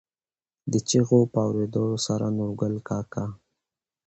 دې چېغو په اورېدو سره نورګل کاکا.